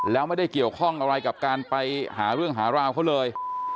แล้วไม่ได้เกี่ยวข้องอะไรกับการไปหาเรื่องหาราวเขาเลย